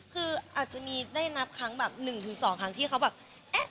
คืออาจจะมีได้นับครั้งแบบ๑๒ครั้งที่เขาแบบเอ๊ะ